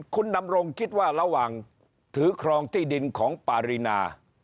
คุณดำรงคิดว่าระหว่างถือครองที่ดินของปารีนา